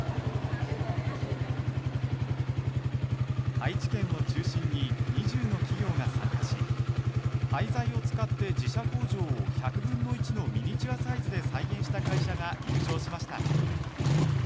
愛知県を中心に２０の企業が参加し廃材を使って自社工場を１００分の１のミニチュアサイズで再現した会社が優勝しました。